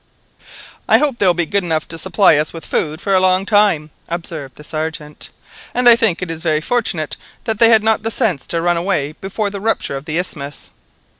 "I hope they will be good enough to supply us with food for a long time," observed the Sergeant," and I think it is very fortunate that they had not the sense to run away before the rupture of the isthmus."